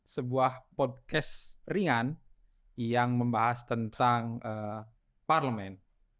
sebuah podcast ringan yang membahas tentang parlemen